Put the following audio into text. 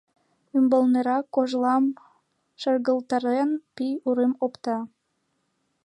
Умбалнырак, кожлам шергылтарен, пий урым опта.